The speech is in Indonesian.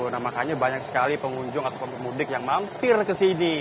nah makanya banyak sekali pengunjung atau pemudik yang mampir ke sini